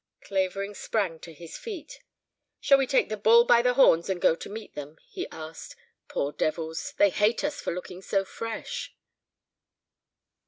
Clavering sprang to his feet. "Shall we take the bull by the horns and go to meet them?" he asked. "Poor devils! They'll hate us for looking so fresh."